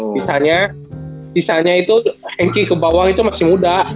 misalnya itu henki kebawang itu masih muda